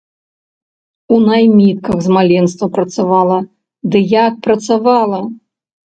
У наймітках з маленства працавала, ды як працавала?!